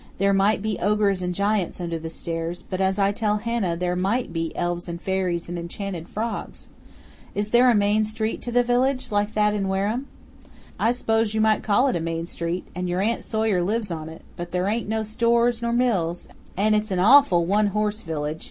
There might be ogres and giants under the stairs, but, as I tell Hannah, there MIGHT be elves and fairies and enchanted frogs! Is there a main street to the village, like that in Wareham?" "I s'pose you might call it a main street, an' your aunt Sawyer lives on it, but there ain't no stores nor mills, an' it's an awful one horse village!